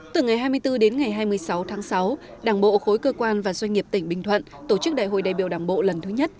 từ ngày hai mươi bốn đến ngày hai mươi sáu tháng sáu đảng bộ khối cơ quan và doanh nghiệp tỉnh bình thuận tổ chức đại hội đại biểu đảng bộ lần thứ nhất